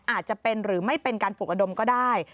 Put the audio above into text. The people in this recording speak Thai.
อาจจะเป็นหรือไม่เป็นการปลุกระดมก็ได้